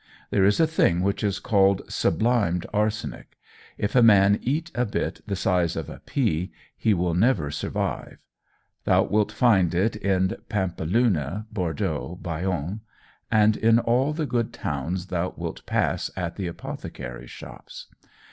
There is a thing which is called sublimed arsenic; if a man eat a bit the size of a pea, he will never survive. Thou wilt find it in Pampeluna, Bordeaux, Bayonne, and in all the good towns thou wilt pass at the apothecaries' shops.